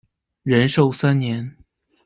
仁寿三年。